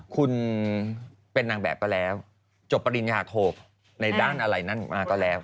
คุณเป็นนางแบบก็แล้วจบปริญญาโทในด้านอะไรนั้นมาก็แล้ว